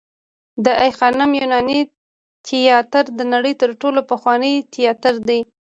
د آی خانم د یوناني تیاتر د نړۍ تر ټولو پخوانی تیاتر دی